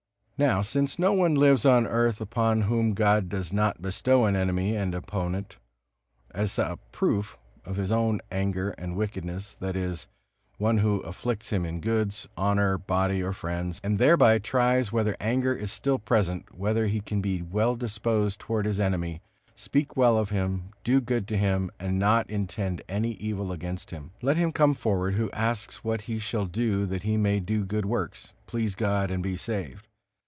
Now, since no one lives on earth upon whom God does not bestow an enemy and opponent as a proof of his own anger and wickedness, that is, one who afflicts him in goods, honor, body or friends, and thereby tries whether anger is still present, whether he can be well disposed toward his enemy, speak well of him, do good to him, and not intend any evil against him; let him come forward who asks what he shall do that he may do good works, please God and be saved.